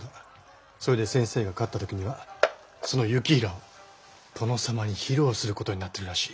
それで先生が勝ったときにはその行平を殿様に披露することになってるらしい。